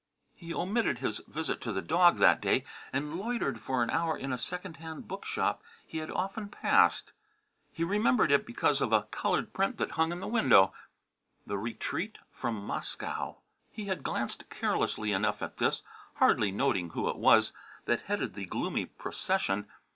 He omitted his visit to the dog that day and loitered for an hour in a second hand bookshop he had often passed. He remembered it because of a coloured print that hung in the window, "The Retreat from Moscow." He had glanced carelessly enough at this, hardly noting who it was that headed the gloomy procession.